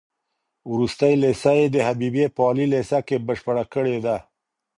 وروستۍ ليسه يې د حبيبيې په عالي ليسه کې بشپړه کړې ده.